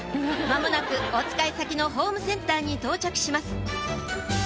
間もなくおつかい先のホームセンターに到着します